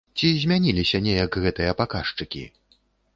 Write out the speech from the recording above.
Ці змяніліся неяк гэтыя паказчыкі?